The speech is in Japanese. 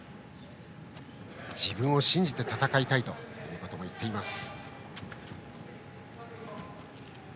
自分を信じて戦いたいとも言っています。